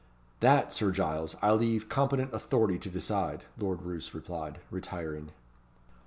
"That, Sir Giles, I leave competent authority to decide," Lord Roos replied, retiring.